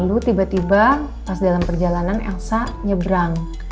lalu tiba tiba pas dalam perjalanan elsa nyebrang